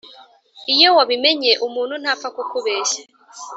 Iyo wabimenye umuntu ntapfa kukubeshya